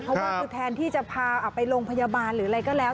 เพราะว่าคือแทนที่จะพาไปโรงพยาบาลหรืออะไรก็แล้ว